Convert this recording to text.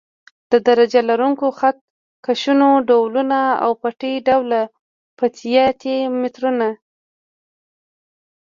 د درجه لرونکو خط کشونو ډولونه او پټۍ ډوله فیته یي مترونه.